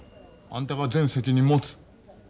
あんたが全責任持つ。